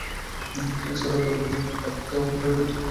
এছাড়াও দলের প্রয়োজনে ডানহাতে অফ ব্রেক বোলিংয়ে অংশ নিতেন।